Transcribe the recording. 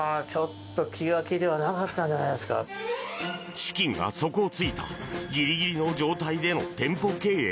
資金が底を突いたギリギリの状態での店舗経営。